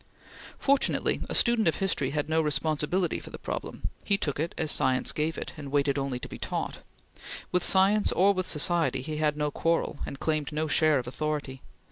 Fortunately, a student of history had no responsibility for the problem; he took it as science gave it, and waited only to be taught. With science or with society, he had no quarrel and claimed no share of authority.